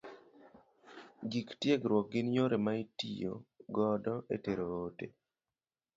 Gik tiegruok gin yore ma itiyo godo e tero ote.